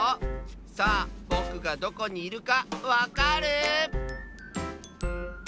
さあぼくがどこにいるかわかる？